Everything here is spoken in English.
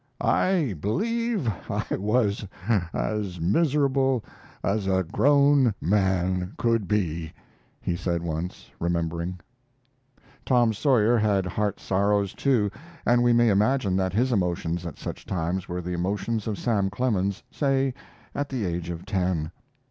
"I believe I was as miserable as a grown man could be," he said once, remembering. Tom Sawyer had heart sorrows too, and we may imagine that his emotions at such times were the emotions of Sam Clemens, say at the age of ten.